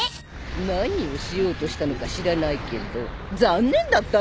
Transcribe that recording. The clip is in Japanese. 何をしようとしたのか知らないけど残念だったねぇ。